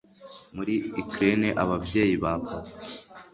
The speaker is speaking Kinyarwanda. muri ukraine, ababyeyi ba papa